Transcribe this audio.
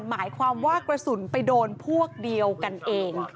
หมายความว่ากระสุนไปโดนพวกเดียวกันเอง